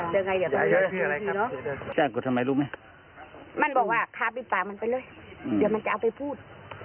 เดี๋ยวมันจะเอาไปพูด